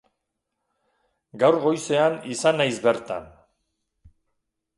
Gaur goizean izan naiz bertan.